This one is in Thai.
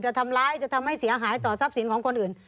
จะทำร้ายจะทำให้เสียหายต่อทรัพย์สินของคนอื่น